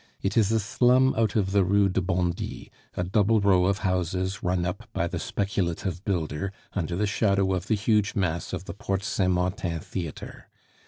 It is a slum out of the Rue de Bondy, a double row of houses run up by the speculative builder, under the shadow of the huge mass of the Porte Saint Martin theatre.